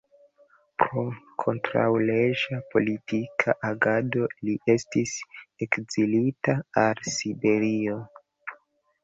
Pro kontraŭleĝa politika agado li estis ekzilita al Siberio.